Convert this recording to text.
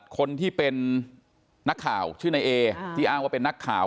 คนที่เป็นนักข่าวชื่อนายเอที่อ้างว่าเป็นนักข่าว